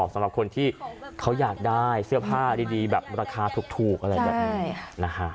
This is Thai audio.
สำหรับคนที่เขาอยากได้เสื้อผ้าดีแบบราคาถูกอะไรแบบนี้นะฮะ